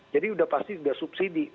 jadi sudah pasti sudah subsidi